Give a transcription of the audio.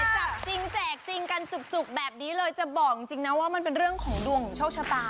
จริงกันจุบแบบนี้เลยจะบอกจริงนะว่ามันเป็นเรื่องของดัวของของโชฟิต